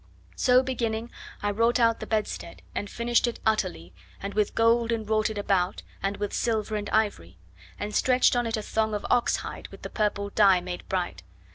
So beginning, I wrought out the bedstead, and finished it utterly, And with gold enwrought it about, and with silver and ivory, And stretched on it a thong of oxhide with the purple dye made bright.